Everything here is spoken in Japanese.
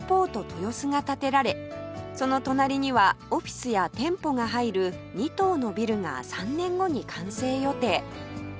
豊洲が建てられその隣にはオフィスや店舗が入る２棟のビルが３年後に完成予定